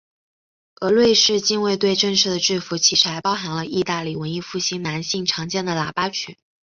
而瑞士近卫队正式的制服其实还包含了义大利文艺复兴男性常见的喇叭裙。